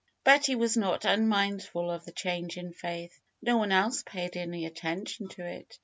Betty was not unmindful of the change in Faith. Ho one else paid any attention to it.